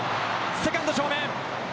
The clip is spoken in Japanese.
セカンド、正面。